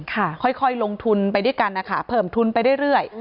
ค่อยลงทุนไปด้วยกันนะคะเพิ่มทุนไปเรื่อย